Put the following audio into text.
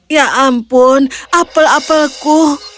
ya ampun apel apelku